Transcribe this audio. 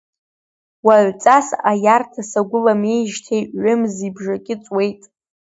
Уаҩҵас аиарҭа сагәыламиеижьҭеи ҩымзи бжаки ҵуеит,…